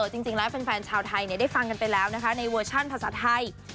จริงแล้วแฟนชาวไทยได้ฟังกันไปแล้วนะคะในเวอร์ชั่นภาษาไทย